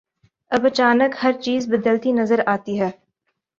اب اچانک ہر چیز بدلتی نظر آتی ہے۔